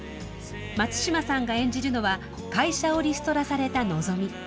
松嶋さんが演じるのは会社をリストラされた、のぞみ。